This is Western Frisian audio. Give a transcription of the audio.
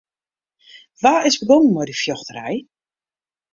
Wa is begûn mei dy fjochterij?